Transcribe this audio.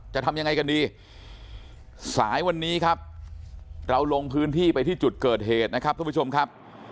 จะทำยังไงกันดีสายวันนี้ครับเราลงพื้นที่ไปที่จุดเกิดเหตุนะครับทุกผู้ชมครับ